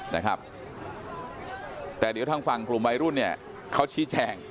นะครับแต่เดี๋ยวทางฝั่งกลุ่มวัยรุ่นเนี่ยเขาชี้แจง